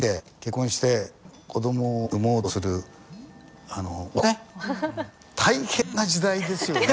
今からこれ見て結婚して子どもを産もうとする男ね大変な時代ですよね。